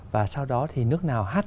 và sau đó thì nước nào hát